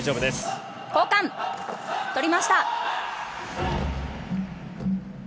交換取りました。